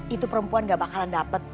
itu perempuan gak bakalan dapat